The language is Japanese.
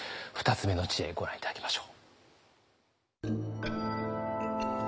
２つ目の知恵ご覧頂きましょう。